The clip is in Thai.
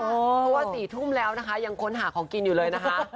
เพราะว่า๔ทุ่มแล้วนะคะยังค้นหาของกินอยู่เลยนะคะ